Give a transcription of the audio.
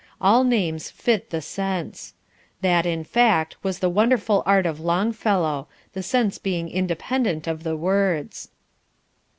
All names fit the sense. That, in fact, was the wonderful art of Longfellow the sense being independent of the words.